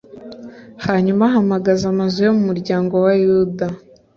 hanyuma ahamagaza amazu yo mu muryango wa yuda